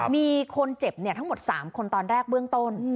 มีคนเจ็บทั้งหมด๓คนตอนแรกเบื้องต้น